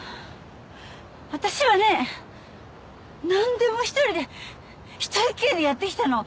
私はね何でも１人で１人っきりでやってきたの。